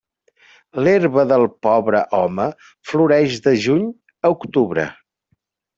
L'herba del pobre home floreix de juny a octubre.